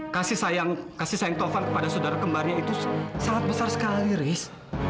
kasih sayang kasih sayang taufan kepada saudara kembarinya itu sangat besar sekali riz